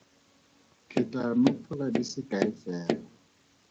Ke tla nopola di se kae fela.